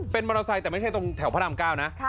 เป็นมอเตอร์ไซค์แต่ไม่ใช่ตรงแถวพระราม๙นะ